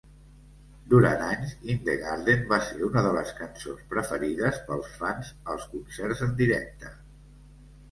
Durant anys, "In the garden" va ser una de les cançons preferides pels fans als concerts en directe.